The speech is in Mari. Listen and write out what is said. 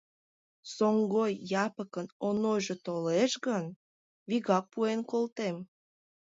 Соҥгой Япыкын Онойжо толеш гын, вигак пуэн колтем...